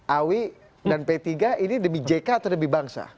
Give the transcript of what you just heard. awi dan p tiga ini demi jk atau demi bangsa